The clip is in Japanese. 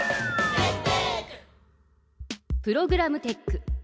プログラムテック。